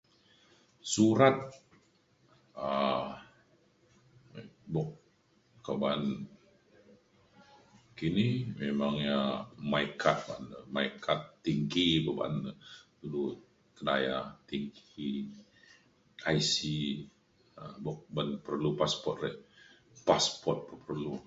surat um bok ko ba'an kini memang ia' MyKad ba'an le. MyKad tingki dulu ba'an du kedaya tingki I.C um bok ban perlu passport re passport p- perlu